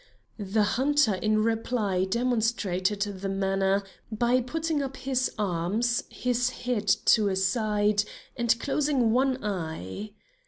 The hunter in reply demonstrated the manner by putting up his arms, his head to a side, and closing one eye.